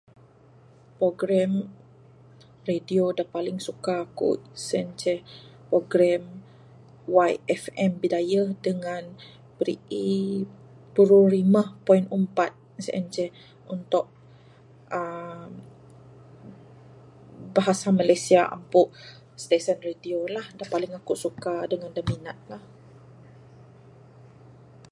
Program radio da paling suka aku sien ceh program YFM Bidayuh dangan piri-e puru rimeh point umpat sien ceh untuk uhh bahasa Malaysia ampuk stesen radio la da paling aku suka dangan da minat la.